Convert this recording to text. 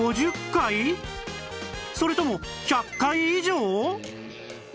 それとも１００回以上？